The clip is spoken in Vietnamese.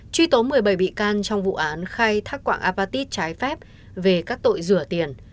truy tố một mươi bảy bị can trong vụ án khai thác quạng apatit trái phép về các tội rửa tiền